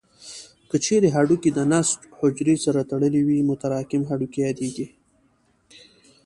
که چیرې هډوکو د نسج حجرې سره ټولې وي متراکم هډوکي یادېږي.